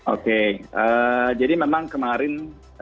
oke jadi memang kemarin